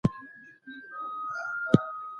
مشران چیري د پوهني حق غوښتنه کوي؟